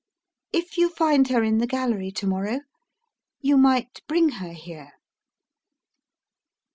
If you find her in the gallery to morrow you might bring her here."